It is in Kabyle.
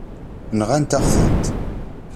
Nɣant-aɣ-tent.